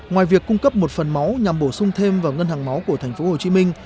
ngoài việc cung cấp một phần máu nhằm bổ sung thêm vào ngân hàng máu của thành phố hồ chí minh